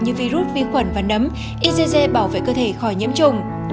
như virus vi khuẩn và nấm igg bảo vệ cơ thể khỏi nhiễm trùng